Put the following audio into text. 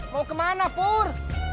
mau kemana pur